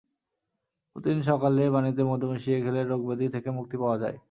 প্রতিদিন সকালে পানিতে মধু মিশিয়ে খেলে রোগব্যাধি থেকে মুক্তি পাওয়া যায়।